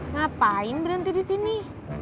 ngapain berhenti di sini